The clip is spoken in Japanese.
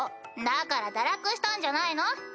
だから堕落したんじゃないの？